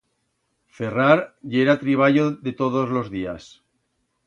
Ferrar yera triballo de todos los días.